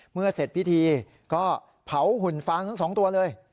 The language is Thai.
เมื่อเสร็จพิธีก็เผาหุ่นฟางทั้ง๒ตัวเลย